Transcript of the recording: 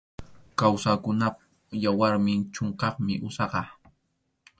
Kawsaqkunap yawarnin chʼunqaqmi usaqa.